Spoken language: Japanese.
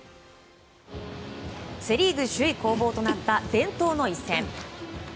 セ・リーグ首位攻防となった伝統の一戦。